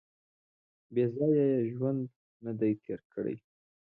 • بېځایه یې ژوند نهدی تېر کړی.